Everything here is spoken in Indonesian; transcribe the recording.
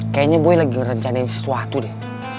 kayaknya gue lagi ngerencanain sesuatu deh